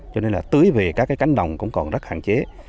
cho nên là tưới về các cái cánh đồng cũng còn rất hạn chế